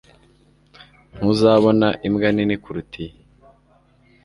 Ntuzabona imbwa nini kuruta iyi.